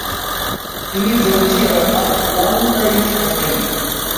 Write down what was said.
তিনি জর্জিয়ার আটলান্টায় থাকেন।